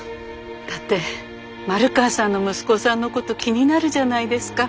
だって丸川さんの息子さんのこと気になるじゃないですか。